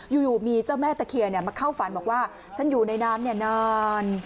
อยู่อยู่มีเจ้าแม่ตะเคียเนี้ยมาเข้าฝันบอกว่าฉันอยู่ในน้ำเนี้ยนาน